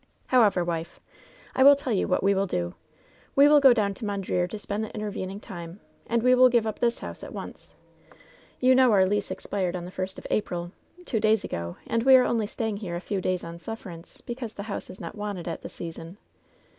However, wife, I will tell you what 18« LOVE'S BITTEREST CUP we will do : We will ftp down to Mondreer to spend the intervening time; and we will give up this house at once. You know our lease expired on the first of April — ^two days ago— and we are only staying here a few days on sufferance, because the house is not wanted at this season.